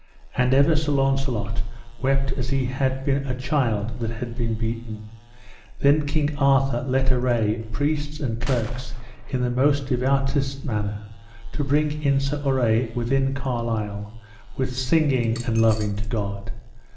And ever Sir Launcelot wept as he had been a child that had been beaten. Then King Arthur let array priests and clerks in the most devoutest manner, to bring in Sir Urre within Carlisle, with singing and loving to God.